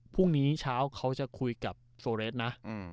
พรุ่งนี้เช้าเขาจะคุยกับโซเรสนะ